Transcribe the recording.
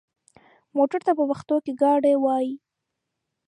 موټر ته په پښتو کې ګاډی وايي.